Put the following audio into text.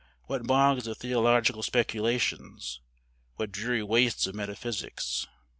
What bogs of theological speculations! What dreary wastes of metaphysics!